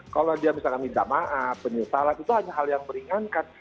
kalau dia misalkan minta maaf penyesalan itu hanya hal yang meringankan